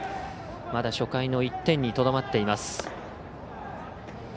まだ初回の１点にとどまっています。